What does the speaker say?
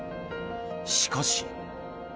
しかし。